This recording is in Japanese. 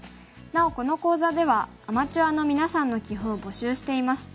なおこの講座ではアマチュアのみなさんの棋譜を募集しています。